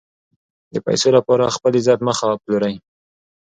د پیسو لپاره خپل عزت مه پلورئ.